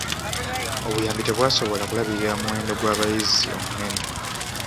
Obuyambi tebwasobola kulabirira muwendo gw'abayizi omunene.